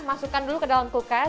masukkan dulu ke dalam kulkas